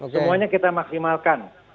semuanya kita maksimalkan